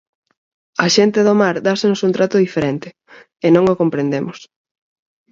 Á xente do mar dásenos un trato diferente, e non o comprendemos.